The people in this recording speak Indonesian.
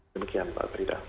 demikian pak prida